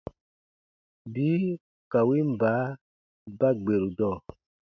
Bii ka win baa ba gberu dɔɔ.